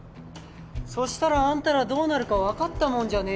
そしたらあんたらどうなるか分かったもんじゃねえよな。